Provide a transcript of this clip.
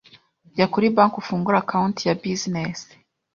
Jya kuri bank ufungure account ya Business.